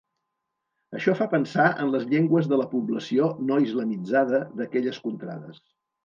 Això fa pensar en les llengües de la població no islamitzada d'aquelles contrades.